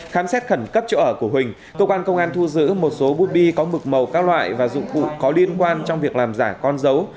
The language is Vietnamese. khám xét khẩn cấp chỗ ở của huỳnh công quan công an thu giữ một số bút bi có mực màu các loại và dụng cụ có liên quan trong việc làm giả con dấu